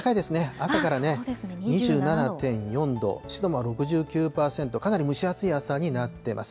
朝からね、２７．４度、湿度が６９％、かなり蒸し暑い朝になってます。